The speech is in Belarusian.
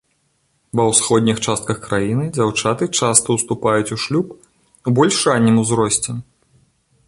Ва ўсходніх частках краіны дзяўчаты часта ўступаюць у шлюб у больш раннім узросце.